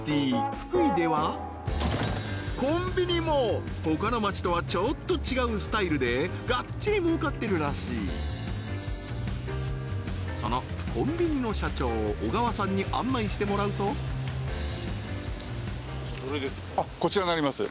福井ではコンビニも他の街とはちょっと違うスタイルでがっちり儲かってるらしいそのコンビニの社長小川さんに案内してもらうとこちらになります